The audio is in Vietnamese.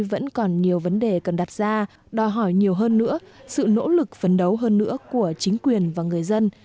vẫn còn nhiều vấn đề cần đặt ra đòi hỏi nhiều hơn nữa sự nỗ lực phấn đấu hơn nữa của chính quyền và người dân